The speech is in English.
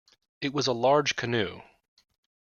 It was a large canoe.